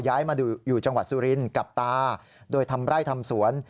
ย้ายมาอยู่จังหวัดสุรินทร์กับตาโดยทำไร่ทำสวน